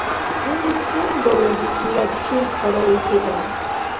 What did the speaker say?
ХӀуни сен балулри илаб чум къараул тебал?